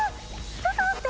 ちょっと待って。